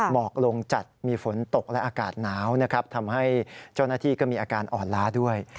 หมอกลงจัดมีฝนตกและอากาศหนาวนะครับทำให้เจ้าหน้าที่ก็มีอาการอ่อนล้าด้วย